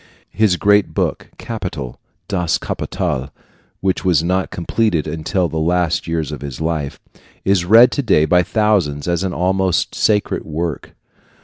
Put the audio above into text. His great book, "Capital" Das Kapital which was not completed until the last years of his life, is read to day by thousands as an almost sacred work.